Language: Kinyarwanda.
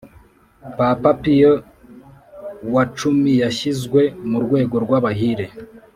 papa piyo wa cumiyashyizwe mu rwego rw’abahire